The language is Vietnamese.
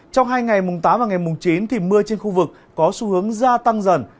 trong hai ngày tám và ngày chín thì mưa trên khu vực có xu hướng gia tăng dần